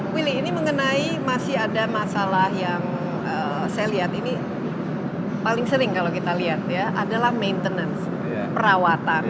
willy ini mengenai masih ada masalah yang saya lihat ini paling sering kalau kita lihat ya adalah maintenance perawatan